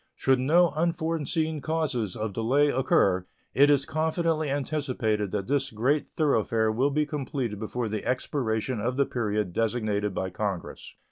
Should no unforeseen causes of delay occur, it is confidently anticipated that this great thoroughfare will be completed before the expiration of the period designated by Congress.